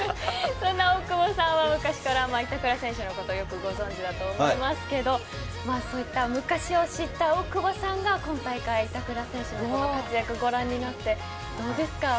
そんな大久保さんは昔から板倉選手のことをよくご存じだと思いますけどそういった昔を知った大久保さんが今大会、板倉選手の活躍をご覧になってどうですか？